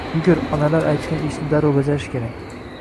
Yugur, onalar aytgan ishni darrov bajarish kerak.